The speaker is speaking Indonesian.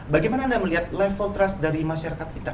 bagaimana anda melihat level trust dari masyarakat kita